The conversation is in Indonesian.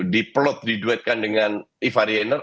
di plot diduetkan dengan eva riener